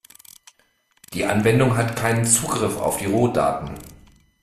Die Anwendung hat keinen Zugriff auf die Rohdaten.